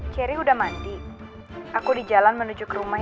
cherry udah mandi aku di jalan menuju ke rumah